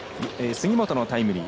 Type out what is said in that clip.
杉本のタイムリー。